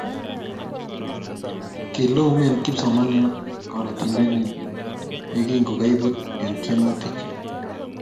kilaumen kipsomanian konetinte nyiny ye kankoibut en tiemutich